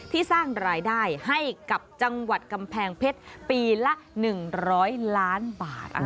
สร้างรายได้ให้กับจังหวัดกำแพงเพชรปีละ๑๐๐ล้านบาท